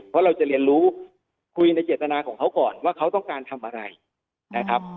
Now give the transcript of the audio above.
เพราะเราจะเรียนรู้คุยในเจตนาของเขาก่อนว่าเขาต้องการทำอะไรนะครับ